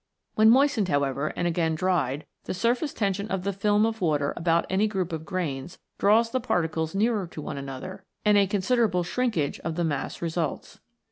When moistened, however, and again dried, the surface tension of the film of water about any group of grains, draws the particles nearer to one another, and a considerable shrinkage of the mass results.